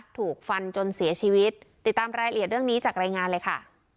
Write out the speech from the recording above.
ถูกฟันจนเสียชีวิตติดตามรายละเอียดเรื่องนี้จากรายงานเลยค่ะ